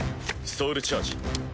ソウルチャージ。